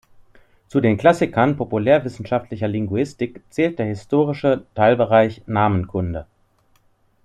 Zu den Klassikern populärwissenschaftlicher Linguistik zählt der historische Teilbereich Namenkunde.